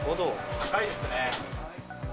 高いですね。